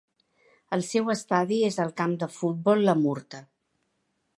El seu estadi és el Camp de Futbol La Murta.